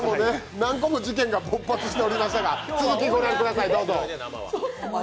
何個も事件が勃発していましたが続き、御覧ください、どうぞ。